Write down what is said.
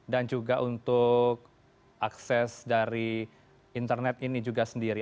dan juga untuk akses dari internet ini juga sendiri